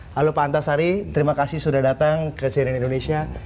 halo pak antasari terima kasih sudah datang ke cnn indonesia